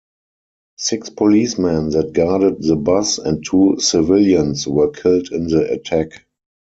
Six policemen that guarded the bus and two civilians were killed in the attack.